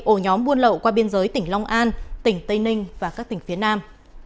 ổ nhóm buôn lậu qua biên giới tỉnh long an tỉnh tây ninh và các tỉnh phía nam